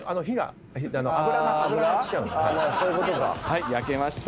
はい焼けました。